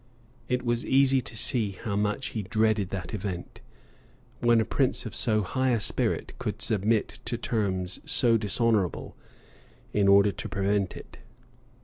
[] It was easy to see how much he dreaded that event, when a prince of so high a spirit could submit to terms so dishonorable, in order to prevent it.